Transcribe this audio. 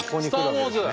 「スター・ウォーズ」！